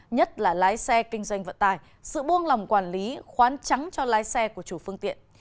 nhất là lái xe kinh doanh vận tải sự buông lòng quản lý khoán trắng cho lái xe của chủ phương tiện